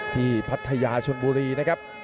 พัทยาชนบุรีนะครับ